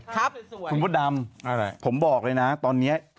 ครับคุณมดดำผมบอกเลยนะตอนนี้